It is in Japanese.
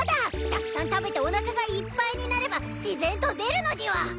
たくさん食べておなかがいっぱいになれば自然と出るのでぃは？